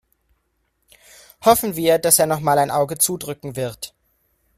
Hoffen wir, dass er nochmal ein Auge zudrücken wird.